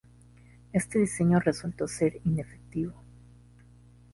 Este diseño resultó ser inefectivo.